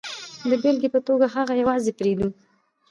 د بېلګې په توګه هغه یوازې پرېږدو.